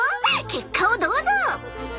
結果をどうぞ！